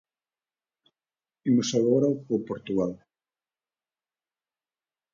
Imos agora con Portugal.